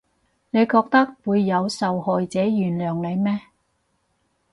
你覺得會有受害者原諒你咩？